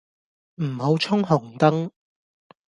唔好衝紅燈